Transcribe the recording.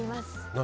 何？